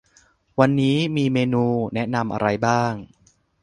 วันนี้มีเมนูแนะนำอะไรบ้าง